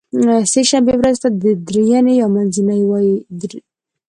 سې شنبې ورځې ته درینۍ یا منځنۍ وایی